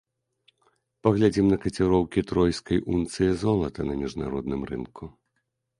Паглядзім на каціроўкі тройскай унцыі золата на міжнародным рынку.